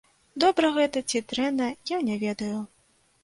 Добра гэта ці дрэнна, я не ведаю.